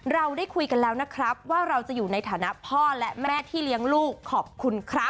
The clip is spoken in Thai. เราได้คุยกันแล้วนะครับว่าเราจะอยู่ในฐานะพ่อและแม่ที่เลี้ยงลูกขอบคุณครับ